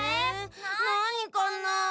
なにかな？